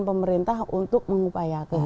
pemerintah untuk mengupayakan